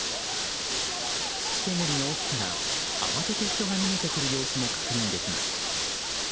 土煙の奥から慌てて人が逃げてくる様子も確認できます。